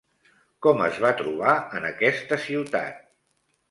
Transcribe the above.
Com es va trobar en aquesta ciutat?